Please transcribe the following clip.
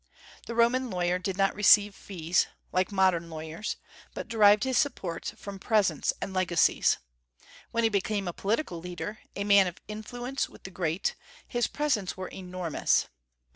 The Roman lawyer did not receive fees, like modern lawyers, but derived his support from presents and legacies. When he became a political leader, a man of influence with the great, his presents were enormous.